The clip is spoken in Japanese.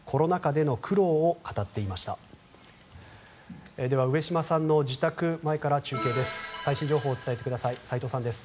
では、上島さんの自宅前から中継です。